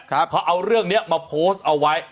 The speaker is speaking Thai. เขาเอาเรื่องนี้มาโพสต์เอาไว้